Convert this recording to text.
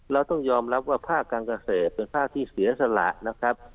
เราต้องยอมรับว่าภาคการเกษตรเป็นภาคที่เสียสละนะครับ